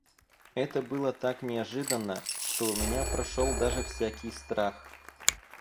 Это было так неожиданно, что у меня прошел даже всякий страх.